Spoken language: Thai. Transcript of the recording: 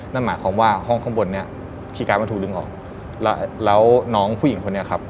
นั่นหมายความว่าห้องข้างบนเนี่ยคีย์การ์ดมันถูกดึงออกแล้วแล้วน้องผู้หญิงคนนี้ครับ